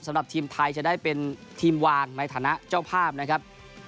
สำหรับทีมไทยจะได้เป็นทีมวางในฐานะเจ้าภาพนะครับ